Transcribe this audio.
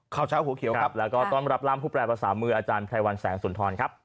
ข่าวเช้าหัวเขียวครับแล้วก็ต้อนรับร่ามผู้แปรภาษามืออาจารย์ไพรวัลแสงสุนทรครับ